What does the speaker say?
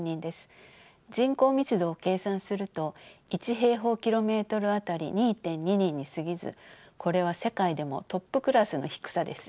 人口密度を計算すると１平方キロメートルあたり２．２人にすぎずこれは世界でもトップクラスの低さです。